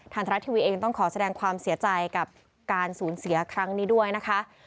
ทรัฐทีวีเองต้องขอแสดงความเสียใจกับการสูญเสียครั้งนี้ด้วยนะคะ